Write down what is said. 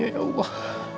ini ya allah